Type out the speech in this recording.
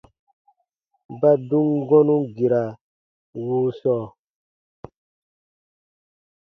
Ba dum gɔ̃nu gira wuu sɔɔ.